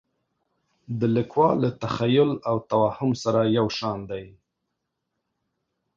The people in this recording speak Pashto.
د لیکوال له تخیل او توهم سره یو شان دي.